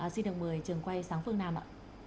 xin được mời trường quay sáng phương nam ạ